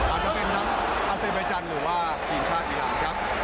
อาจจะเป็นนักอาซีลวัยจันย์หรือว่าทีมชาติอีหลานครับ